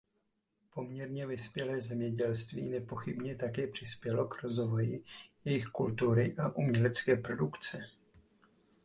Poměrně vyspělé zemědělství nepochybně také přispělo k rozvoji jejich kultury a umělecké produkce.